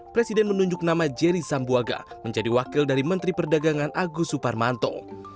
presiden menunjuk nama jerry sambuaga menjadi wakil dari menteri perdagangan agus suparmanto